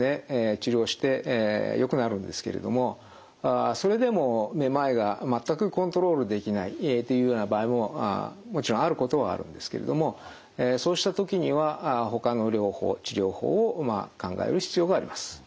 治療してよくなるんですけれどもそれでもめまいが全くコントロールできないっていうような場合ももちろんあることはあるんですけれどもそうした時にはほかの療法治療法を考える必要があります。